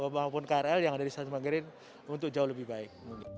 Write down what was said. maupun krl yang ada di stasiun manggarin untuk jauh lebih baik